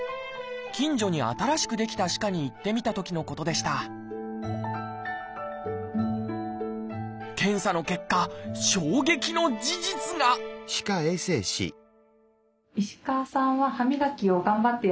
近所に新しく出来た歯科に行ってみたときのことでした検査の結果ええ！ってどういうこと！？